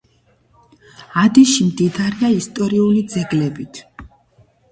ადიში მდიდარია ისტორიული ძეგლებით.